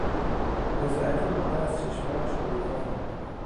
رضایت مادر از چشمانش هویدا بود.